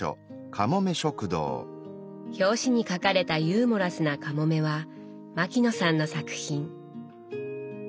表紙に描かれたユーモラスなかもめは牧野さんの作品。